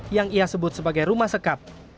yang ia sebut sebagai rumah sekap